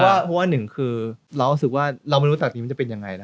เพราะว่าหนึ่งคือเรารู้สึกว่าเราไม่รู้ตอนนี้มันจะเป็นยังไงนะ